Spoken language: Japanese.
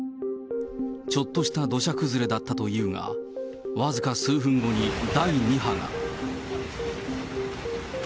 ちょっとした土砂崩れだったというが、僅か数分後に第２波が。